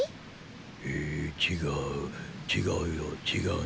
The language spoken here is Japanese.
え違う違うよ違うね。